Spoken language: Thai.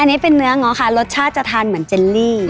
อันนี้เป็นเนื้อง้อค่ะรสชาติจะทานเหมือนเจลลี่